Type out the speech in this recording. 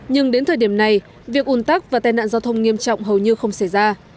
nhưng đến thời điểm này việc ủn tắc và tai nạn giao thông nghiêm trọng hầu như không xảy ra